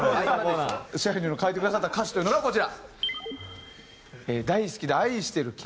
支配人の書いてくださった歌詞というのがこちら。